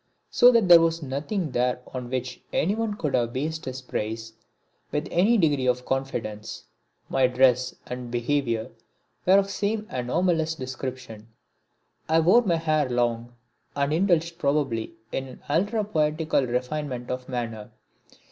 So that there was nothing there on which anyone could have based his praise with any degree of confidence. My dress and behaviour were of the same anomalous description. I wore my hair long and indulged probably in an ultra poetical refinement of manner.